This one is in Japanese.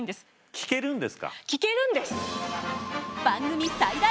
聞けるんです！